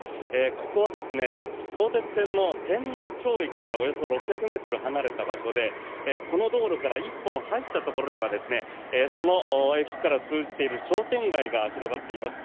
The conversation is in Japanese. ここは相鉄線の天王町駅からおよそ６００ｍ離れた場所でこの道路から１本入ったところにはその駅から通じている商店街が広がっています。